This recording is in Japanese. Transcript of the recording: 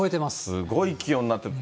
すごい気温になってる。